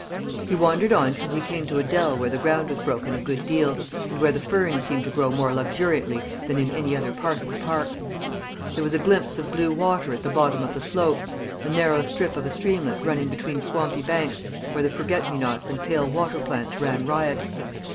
He wandered on till he came to a dell where the ground was broken a good deal, and where the fern seemed to grow more luxuriantly than in any other part of the park. There was a glimpse of blue water at the bottom of the slope a narrow strip of a streamlet running between swampy banks, where the forget me nots and pale water plants ran riot.